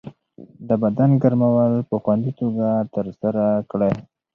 د بدن ګرمول په خوندي توګه ترسره کړئ.